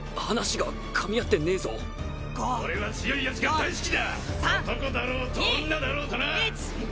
俺は強いヤツが大好きだ３２１男だろうと女だろうとな！